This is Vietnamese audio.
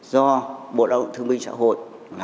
do bộ đạo đồng thương minh xã hội